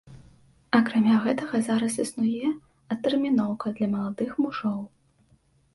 Акрамя гэтага, зараз існуе адтэрміноўка для маладых мужоў.